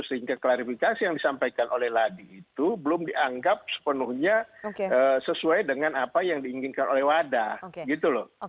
sehingga klarifikasi yang disampaikan oleh ladi itu belum dianggap sepenuhnya sesuai dengan apa yang diinginkan oleh wadah gitu loh